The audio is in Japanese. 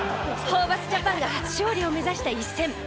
ホーバスジャパンが初勝利を目指した一戦。